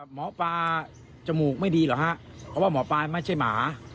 หมอปลาจมูกไม่ดีเหรอฮะเพราะว่าหมอปลาไม่ใช่หมา